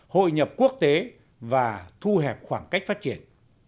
hội nhập quốc tế và thu hẹp khoảng cách phát triển